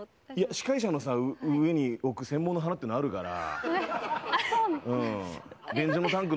司会者の上に置く専門の花っていうのあるから。